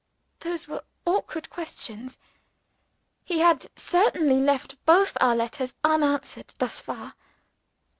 Those were awkward questions. He had certainly left both our letters unanswered thus far.